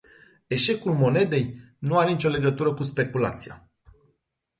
Eșecul monedei nu are nicio legătură cu speculația.